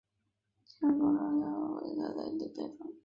滇中狗肝菜为爵床科狗肝菜属下的一个变种。